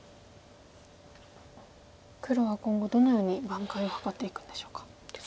黒は今後どのように挽回を図っていくんでしょうか。